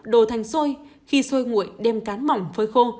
đồ thanh xôi khi xôi nguội đem cán mỏng phơi khô